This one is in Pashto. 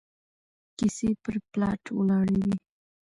کيسې پر پلاټ ولاړې وي